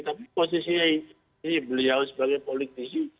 tapi posisi beliau sebagai politisi